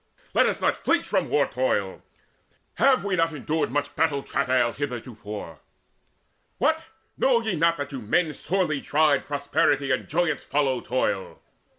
Let us not flinch from war toil! have we not Endured much battle travail heretofore? What, know ye not that to men sorely tried Prosperity and joyance follow toil?